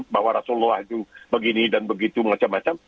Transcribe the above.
bahwa rasulullah itu begini dan begitu macam macam